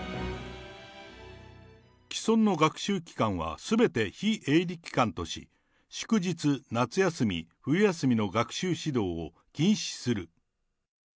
既存の学習機関はすべて非営利機関とし、祝日、夏休み、冬休みの学習指導を禁止する。